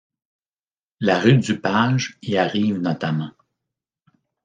La rue du Page y arrive notamment.